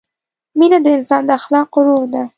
مینه د انسان د اخلاقو روح ده.